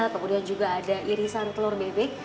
kemudian juga ada irisan telur bebek